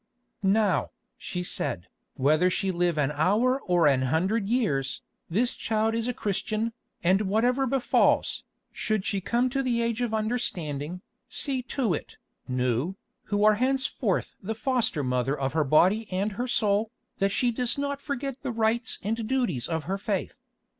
"Now," she said, "whether she live an hour or an hundred years, this child is a Christian, and whatever befalls, should she come to the age of understanding, see to it, Nou, who are henceforth the foster mother of her body and her soul, that she does not forget the rites and duties of her faith.